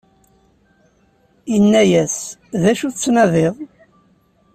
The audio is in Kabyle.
inna-yas: D acu i tettnadiḍ?